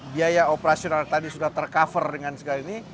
biaya operasional tadi sudah tercover dengan segala ini